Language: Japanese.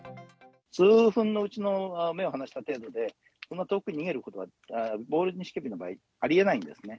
数分のうちの目を離した程度で、そんな遠くに逃げることは、ボールニシキヘビの場合、ありえないんですね。